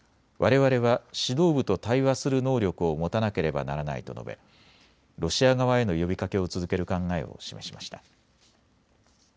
われわれは指導部と対話する能力を持たなければならないと述べロシア側への呼びかけを続ける考えを示しました。